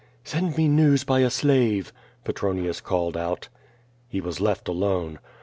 "Send me news by a slave," Petronius called out. He was left alone.